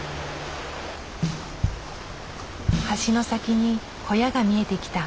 橋の先に小屋が見えてきた。